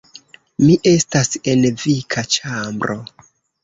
Mi estas en vika ĉambro